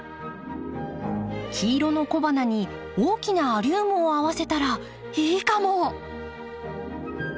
黄色の小花に大きなアリウムを合わせたらいいかも！